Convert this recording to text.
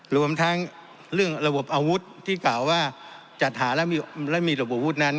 รวมทั้งเรื่องระบบอาวุธที่กล่าวว่าจัดหาแล้วมีระบบวุฒินั้น